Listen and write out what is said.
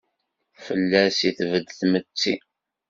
Fell-as i tbed tmetti.